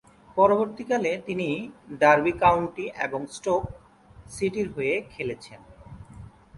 পরবর্তীকালে, তিনি Derby County এবং স্টোক সিটির হয়ে খেলেছেন।